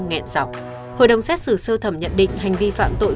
hội đồng xét xử sơ thẩm nhận định hành vi phạm tội